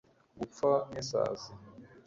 Gupfa nkisazi